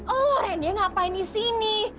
oh dia ngapain di sini